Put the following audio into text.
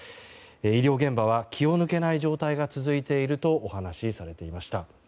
医療現場は気を抜けない状態が続いているとお話しされていました。